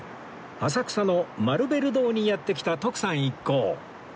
浅草のマルベル堂にやって来た徳さん一行